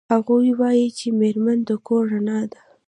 هغوی وایي چې میرمنې د کور رڼا ده